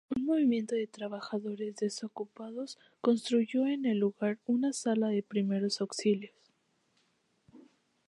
Un movimiento de trabajadores desocupados construyó en el lugar una sala de primeros auxilios.